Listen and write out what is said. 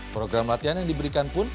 program latihan yang diberikan pun